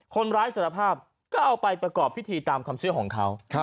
คนร้ายสารภาพก็เอาไปประกอบพิธีตามคำสื่อของเขา